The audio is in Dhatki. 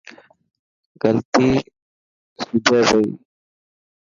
غلطي سڄي پيو.